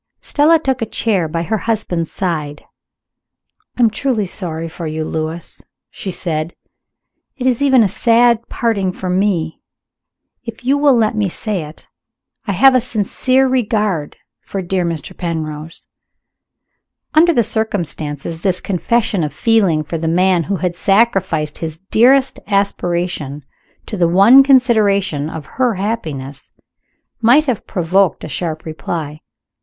Stella took a chair by her husband's side. "I am truly sorry for you, Lewis," she said. "It is even a sad parting for Me. If you will let me say it, I have a sincere regard for dear Mr. Penrose." Under other circumstances, this confession of feeling for the man who had sacrificed his dearest aspiration to the one consideration of her happiness, might have provoked a sharp reply.